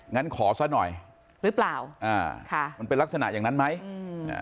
งั้นขอซะหน่อยหรือเปล่าอ่าค่ะมันเป็นลักษณะอย่างนั้นไหมอืมอ่า